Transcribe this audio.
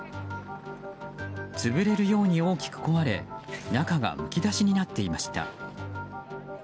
潰れるように大きく壊れ中がむき出しになっていました。